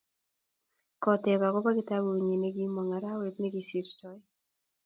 Koteb akoba kitabut nyi nekimong' arawet nekisirtoi